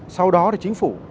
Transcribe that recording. sau đó thì chính phủ